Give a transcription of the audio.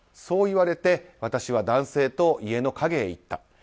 そう言われて私は男性と家の陰へ行った。